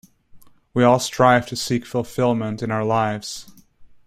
We all strive to seek fulfilment in our lives.